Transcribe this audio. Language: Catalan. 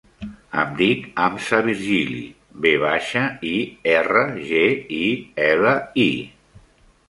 Em dic Hamza Virgili: ve baixa, i, erra, ge, i, ela, i.